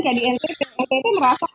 kdnp kpp merasa